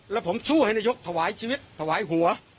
แล้วผมสู้ให้นายกถวายชีวิตถวายหัว